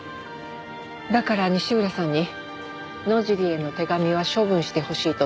だから西浦さんに野尻への手紙は処分してほしいと頼んだんです。